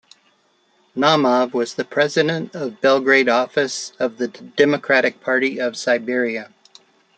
Naumov was president of Belgrade office of the Democratic Party of Serbia.